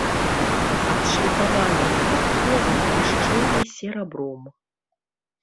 Адшліфаваныя падковы блішчэлі серабром.